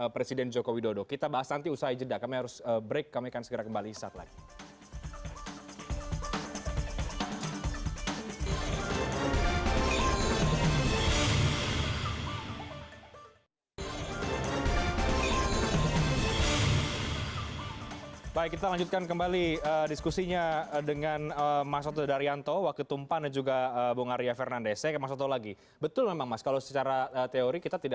presiden joko widodo kita bahas nanti usaha jeda